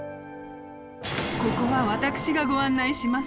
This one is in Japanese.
ここは私がご案内します。